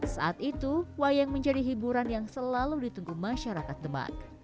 saat itu wayang menjadi hiburan yang selalu ditunggu masyarakat demak